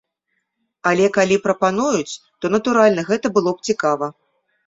Але, калі прапануюць, то, натуральна, гэта было б цікава.